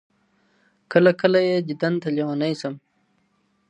كله، كله يې ديدن تــه لـيونـى سم